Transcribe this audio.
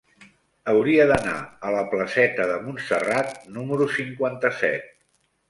Hauria d'anar a la placeta de Montserrat número cinquanta-set.